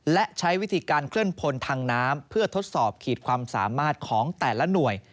และใช้วิธีการเคลื่อนพลทางน้ำเพื่อทดสอบขีดความสามารถของแต่ละหน่วย